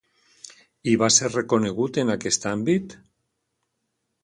I va ser reconegut en aquest àmbit?